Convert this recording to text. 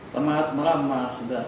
selamat malam mas